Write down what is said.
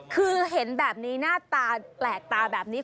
คือเห็นแบบนี้หน้าตาแปลกตาแบบนี้